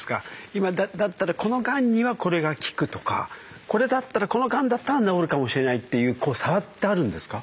今だったらこのがんにはこれが効くとかこれだったらこのがんだったら治るかもしれないっていうこう差ってあるんですか？